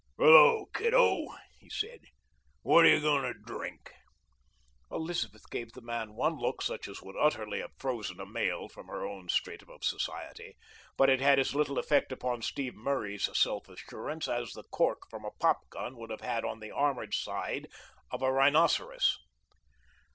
"Hello, kiddo!" he said. "What are you going to drink?" Elizabeth gave the man one look such as would utterly have frozen a male from her own stratum of society, but it had as little effect upon Steve Murray's self assurance as the cork from a popgun would have on the armored sides of a rhinoceros.